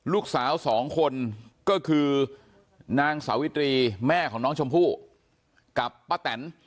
ลูกสาวสองคนก็คือนางสาวิตรีแม่ของน้องชมพู่กับป้าแตน